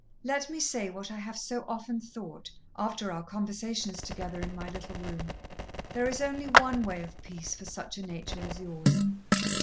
Let me say what I have so often thought, after our conversations together in my little room there is only one way of peace for such a nature as yours.